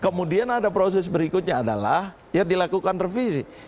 kemudian ada proses berikutnya adalah ya dilakukan revisi